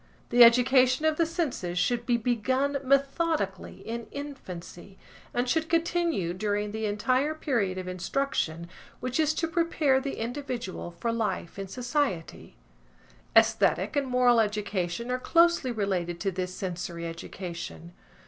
The education of the senses should be begun methodically in infancy, and should continue during the entire period of instruction which is to prepare the individual for life in society. Æsthetic and moral education are closely related to this sensory education.